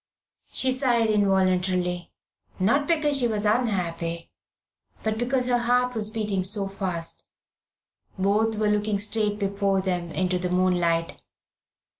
She sighed involuntarily; not because she was unhappy, but because her heart was beating so fast. Both were looking straight before them into the moonlight.